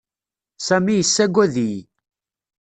Sami yessaggad-iyi.